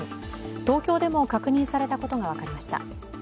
東京でも確認されたことが分かりました。